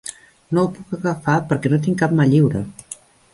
No ho puc agafar perquè no tinc cap mà lliure.